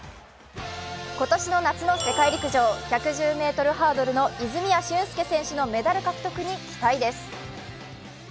今年の夏の世界陸上１１０ｍハードルの泉谷駿介選手のメダル獲得に期待です。